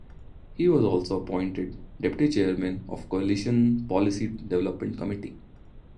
He was also appointed Deputy Chairman of the Coalition Policy Development Committee.